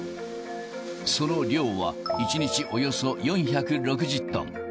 その量は１日およそ４６０トン。